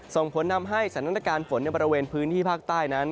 ส่งผลทำให้สถานการณ์ฝนในบริเวณพื้นที่ภาคใต้นั้น